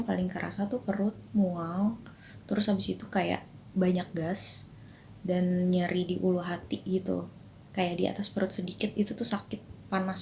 paling kerasa tuh perut mual terus habis itu kayak banyak gas dan nyeri di ulu hati gitu kayak di atas perut sedikit itu tuh sakit panas